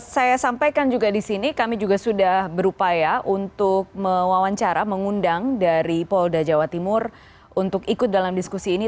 saya sampaikan juga di sini kami juga sudah berupaya untuk mewawancara mengundang dari polda jawa timur untuk ikut dalam diskusi ini